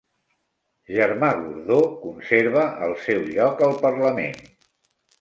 Germà Gordó conserva el seu lloc al Parlament